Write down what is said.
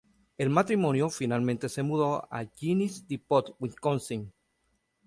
El matrimonio finalmente se mudó a Genesee Depot, Wisconsin.